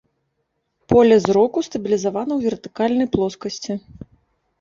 Поле зроку стабілізавана ў вертыкальнай плоскасці.